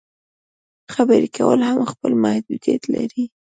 خبرې کول هم خپل محدودیت لري.